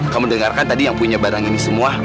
kamu dengarkan tadi yang punya barang ini semua